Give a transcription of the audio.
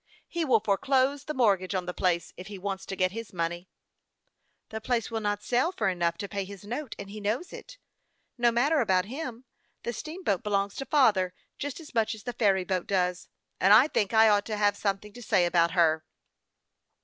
" He will foreclose the mortgage on the place if he wants to get his money." " The place will not sell for enough to pay his 154 HASTE AND WASTE, OR note, and he knows it. Xo matter about him, the steamboat belongs to father, just as much as the ferry boat does ; and I think I ought to have some thing to say about her."